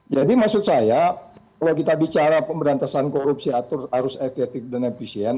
jadi maksud saya kalau kita bicara pemberantasan korupsi harus efektif dan efisien